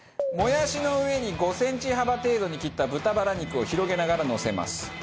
もやしの上に５センチ幅程度に切った豚バラ肉を広げながらのせます。